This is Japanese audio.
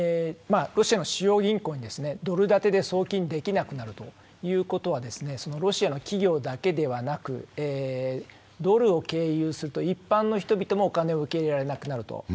ロシアの主要銀行にドル建てで送金できなくなるということは、ロシアの企業だけではなくドルを経由すると一般の人々もお金を受け入れられなくなると。